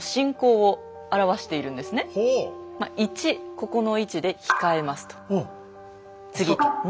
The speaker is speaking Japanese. ここの位置で控えますと。